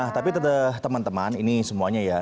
tapi tetap teman teman ini semuanya ya